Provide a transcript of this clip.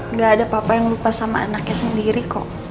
nggak ada papa yang lupa sama anaknya sendiri kok